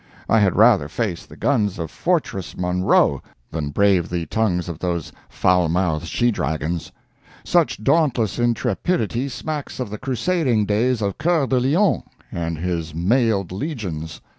I had rather face the guns of Fortress Monroe than brave the tongues of those foul mouthed she dragons. Such dauntless intrepidity smacks of the crusading days of Coeur de Lion and his mailed legions.